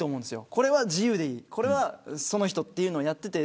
これは自由でいい、これはその人というのをやっていて。